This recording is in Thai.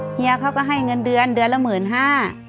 เฮียเขาก็ให้เงินเดือนเดือนละ๑๕๐๐๐บาท